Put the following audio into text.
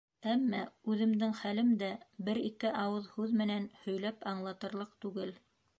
Әммә үҙемдең хәлем дә бер-ике ауыҙ һүҙ менән һөйләп аңлатырлыҡ түгел.